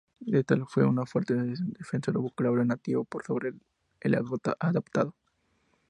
Dal fue un fuerte defensor del vocabulario nativo por sobre el adoptado.